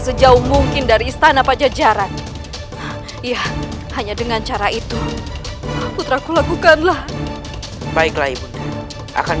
sejauh mungkin dari istana pajajaran ya hanya dengan cara itu putraku lakukanlah baiklah ibu akan